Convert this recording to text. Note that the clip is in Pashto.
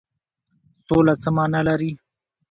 سوله څه معنی لري؟